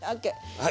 はい。